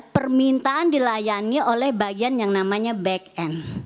permintaan dilayani oleh bagian yang namanya back end